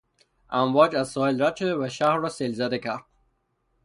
امواج از ساحل رد شده و شهر را سیل زده کرد.